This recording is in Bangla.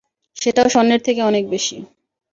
সেটাও স্বর্ণের থেকে অনেক বেশি।